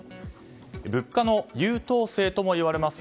物価の優等生ともいわれます